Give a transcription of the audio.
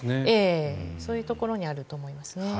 そういうところにあると思いますね。